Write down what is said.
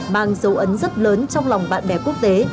mang dấu ấn rất lớn trong lòng bạn bè quốc tế